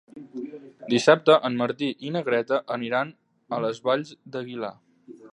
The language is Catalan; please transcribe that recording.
Dissabte en Martí i na Greta aniran a les Valls d'Aguilar.